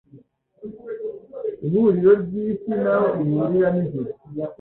Ihuriro ry’isi naho ihurira n’ijuru